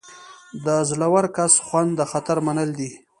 د زړور کس خوند د خطر منل دي.